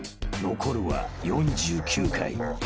［残るは４９回］